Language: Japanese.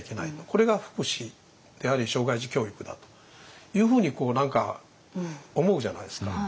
これが福祉であり障害児教育だというふうに何か思うじゃないですか。